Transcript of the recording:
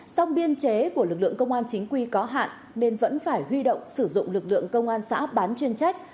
song biên chế của lực lượng công an chính quy có hạn nên vẫn phải huy động sử dụng lực lượng công an xã bán chuyên trách